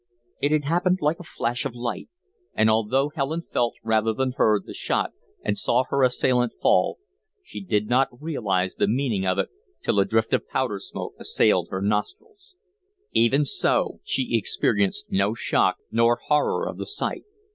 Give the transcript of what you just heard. It had happened like a flash of light, and although Helen felt, rather than heard, the shot and saw her assailant fall, she did not realize the meaning of it till a drift of powder smoke assailed her nostrils. Even so, she experienced no shock nor horror of the sight.